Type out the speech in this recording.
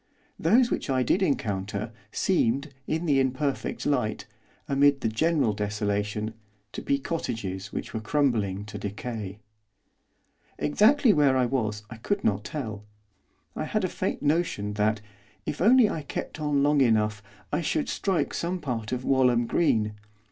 Those which I did encounter, seemed, in the imperfect light, amid the general desolation, to be cottages which were crumbling to decay. Exactly where I was I could not tell. I had a faint notion that, if I only kept on long enough, I should strike some part of Walham Green.